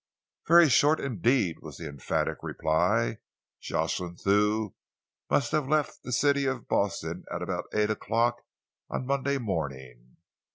"Very short indeed," was the emphatic reply. "Jocelyn Thew must have left the City of Boston at about eight o'clock on Monday morning.